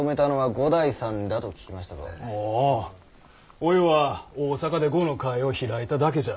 おいは大阪で碁の会を開いただけじゃ。